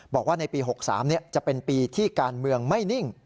บอกว่าในปี๖๓จะเป็นปีที่การเมืองไม่นิ่ง